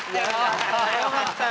よかったよ！